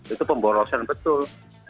itu pemborosan betul